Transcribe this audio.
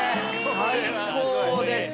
最高です！